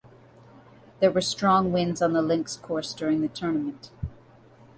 There were strong winds on the links course during the tournament.